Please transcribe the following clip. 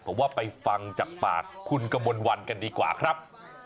ผมว่าไปฟังจากปากคุณกมลวันกันดีกว่าครับ